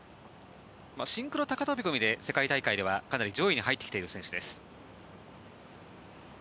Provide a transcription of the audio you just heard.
シンクロ高飛込で世界大会ではかなり上位に入ってきている選手です。